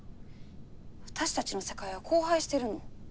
私たちの世界は荒廃してるの。